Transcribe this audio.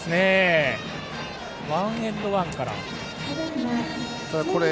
ワンエンドワンから。